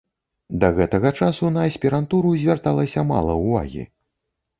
Да гэтага часу на аспірантуру звярталася мала ўвагі.